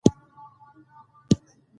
اداري مقررات باید واضح وي.